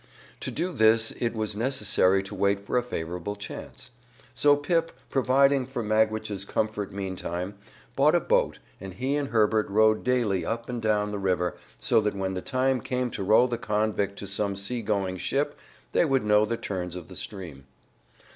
To do this it was necessary to wait for a favorable chance. So Pip, providing for Magwitch's comfort meantime, bought a boat, and he and Herbert rowed daily up and down the river, so that when the time came to row the convict to some sea going ship they would know the turns of the stream.